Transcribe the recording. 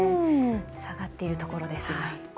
下がっているところです、今。